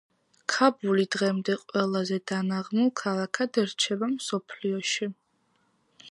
ქაბული დღემდე ყველაზე დანაღმულ ქალაქად რჩება მსოფლიოში.